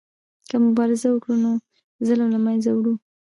که مبارزه وکړو نو ظلم له منځه وړو.